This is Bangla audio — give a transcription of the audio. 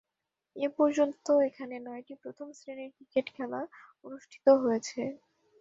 এ পর্যন্ত এখানে নয়টি প্রথম-শ্রেণীর ক্রিকেট খেলা অনুষ্ঠিত হয়েছে।